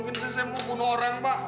mungkin sesimu bunuh orang pak